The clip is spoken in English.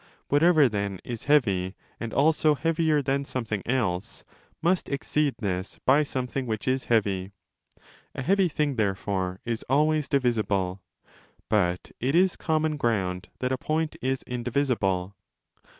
Whatever, then, is heavy 5 and also heavier than something else, must exceed this by something which is heavy. A heavy thing therefore is always divisible. But it is common ground that a point is indivisible.